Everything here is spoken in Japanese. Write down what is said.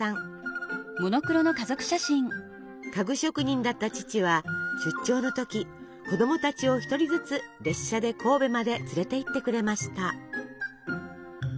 家具職人だった父は出張の時子供たちを一人ずつ列車で神戸まで連れていってくれました。